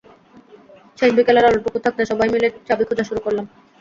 শেষ বিকেলের আলোটুকু থাকতে থাকতে সবাই মিলে চাবি খোঁজা শুরু করলাম।